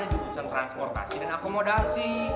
yang ada jurusan transportasi dan akomodasi